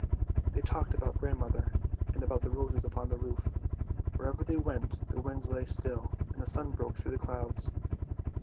They talked about grandmother, and about the roses upon the roof. Wherever they went the winds lay still and the sun broke through the clouds.